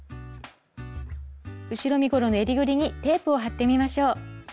後ろ身ごろの襟ぐりにテープを貼ってみましょう。